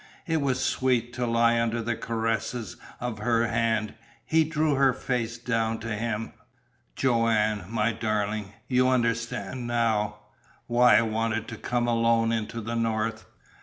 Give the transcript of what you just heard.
It was sweet to lie under the caresses of her hand. He drew her face down to him. "Joanne, my darling, you understand now why I wanted to come alone into the North?"